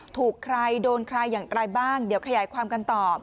ถูกใครโดนใครอย่างไรบ้างเดี๋ยวขยายความกันต่อ